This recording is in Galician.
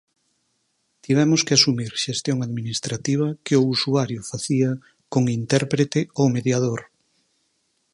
Tivemos que asumir xestión administrativa que o usuario facía con intérprete ou mediador.